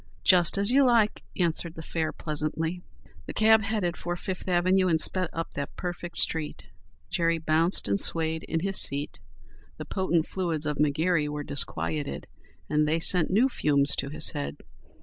"Just as you like," answered the fare, pleasantly. The cab headed for Fifth avenue and sped up that perfect street. Jerry bounced and swayed in his seat. The potent fluids of McGary were disquieted and they sent new fumes to his head.